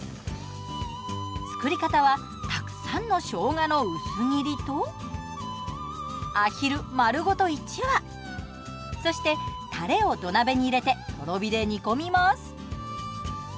作り方はたくさんの生姜の薄切りとアヒル丸ごと１羽そしてタレを土鍋に入れてとろ火で煮込みます。